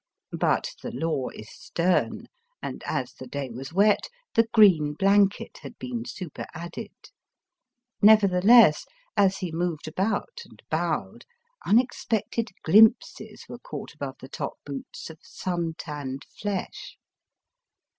But the law is stern, and as the day was wet the green blanket had been superadded. Nevertheless, as he moved about and bowed, unexpected glimpses were caught above the top boots of sun tanned flesh.